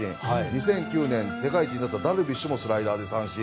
２００９年世界一になったダルビッシュもスライダーで三振。